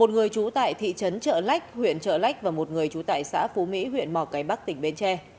một người trú tại thị trấn trợ lách huyện trợ lách và một người trú tại xã phú mỹ huyện mò cái bắc tỉnh bến tre